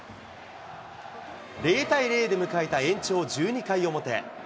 ０対０で迎えた延長１２回表。